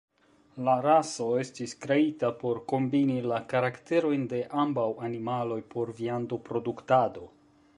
La raso estis kreita por kombini la karakterojn de ambaŭ animaloj por viando-produktado.